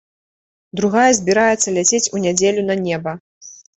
Другая збіраецца ляцець у нядзелю на неба.